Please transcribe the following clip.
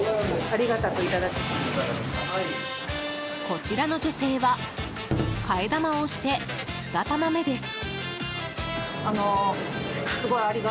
こちらの女性は替え玉をして２玉目です。